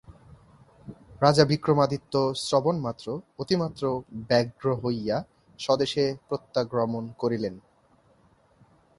রাজা বিক্রমাদিত্য শ্রবণমাত্র অতিমাত্র ব্যগ্র হইয়া স্বদেশে প্রত্যাগমন করিলেন।